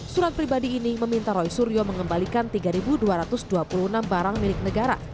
surat pribadi ini meminta roy suryo mengembalikan tiga dua ratus dua puluh enam barang milik negara